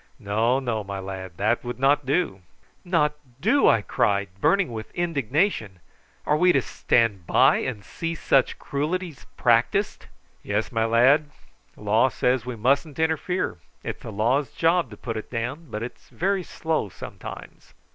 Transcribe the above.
"No, no, my lad, that would not do." "Not do!" I cried, burning with indignation. "Are we to stand by and see such cruelties practised?" "Yes, my lad; law says we musn't interfere. It's the law's job to put it down; but it's very slow sometimes."